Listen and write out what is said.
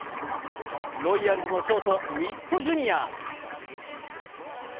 ロイヤルズのショート、ウィットジュニア！